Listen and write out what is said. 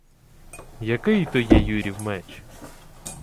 — Який то є Юрів меч?